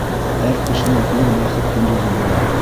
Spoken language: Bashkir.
Һәр кешенең үҙ бәхет йондоҙо була.